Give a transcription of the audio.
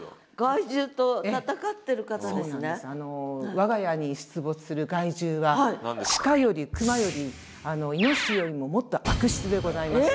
我が家に出没する害獣はシカよりクマよりイノシシよりももっと悪質でございまして。